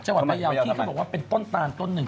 จังหวัดพยายามที่เค้าบอกว่าเป็นต้นตานต้นหนึ่ง